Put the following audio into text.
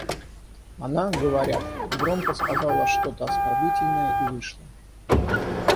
Она, говорят, громко сказала что-то оскорбительное и вышла.